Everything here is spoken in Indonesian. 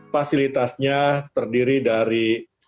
fasilitasnya terdiri dari tiga puluh enam